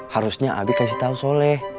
harusnya abi kasih tau soleh